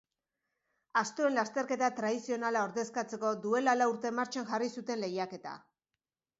Astoen lasterketa tradizionala ordezkatzeko duela lau urte martxan jarri zuten lehiaketa.